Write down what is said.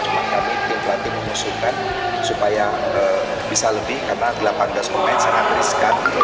cuma kami tim pelatih mengusulkan supaya bisa lebih karena delapan belas pemain sangat riskan